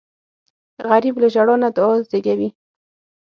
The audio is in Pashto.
غریب له ژړا نه دعا زېږوي